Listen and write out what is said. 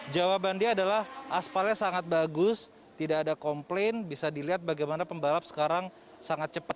jawaban dia adalah aspalnya sangat bagus tidak ada komplain bisa dilihat bagaimana pembalap sekarang sangat cepat